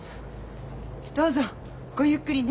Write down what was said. どうぞごゆっくりね。